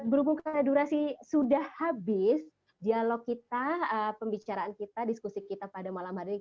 berhubungkan durasi sudah habis dialog kita pembicaraan kita diskusi kita pada malam hari ini